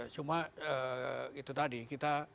cuma itu tadi kita